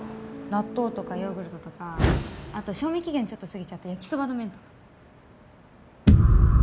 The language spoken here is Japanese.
納豆とかヨーグルトとかあと賞味期限ちょっと過ぎちゃった焼きそばの麺とか。